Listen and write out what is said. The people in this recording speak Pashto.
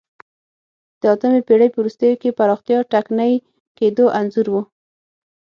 د اتمې پېړۍ په وروستیو کې پراختیا ټکنۍ کېدو انځور و